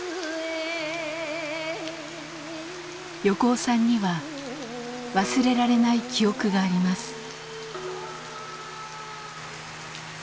横尾さんには忘れられない記憶があります。